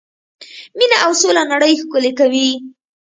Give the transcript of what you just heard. مینه او سوله نړۍ ښکلې کوي.